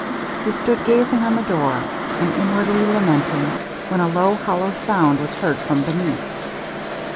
He stood gazing on the door, and inwardly lamenting, when a low hollow sound was heard from beneath.